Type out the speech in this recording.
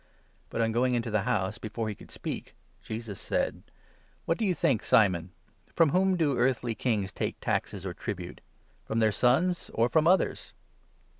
25 But, on going into the house, before he could speak, Jesus said : "What do you think, Simon? From whom do earthly kings take taxes or tribute ? From their sons, or from others